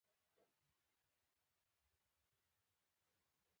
د بکس په ترمینل کې د فاز سیم نښلول د فیوزونو له لارې کېږي.